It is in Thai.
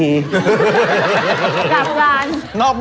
จากกุราณ